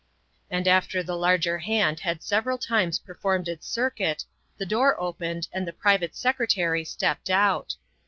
And after the larger hand had several times per formed its circuit the door opened and the private secre tary stepped out.